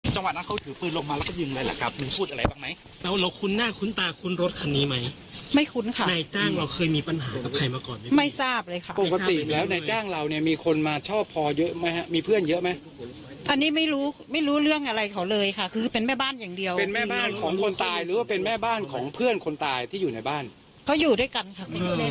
เธอเคยมีปัญหากับใครมาก่อนไม่ทราบเลยค่ะปกติแล้วในจ้างเราเนี่ยมีคนมาชอบพอเยอะมั้ยมีเพื่อนเยอะมั้ยอันนี้ไม่รู้ไม่รู้เรื่องอะไรของเลยค่ะคือเป็นแม่บ้านอย่างเดียวเป็นแม่บ้านของคนตายหรือเป็นแม่บ้านของเพื่อนคนตายที่อยู่ในบ้านเขาอยู่ด้วยกันค่ะ